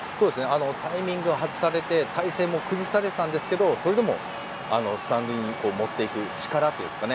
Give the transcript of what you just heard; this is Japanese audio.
タイミングを外されて体勢も崩されていたんですけどそれでもスタンドに持っていく力というか。